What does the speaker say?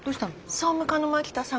総務課の牧田さん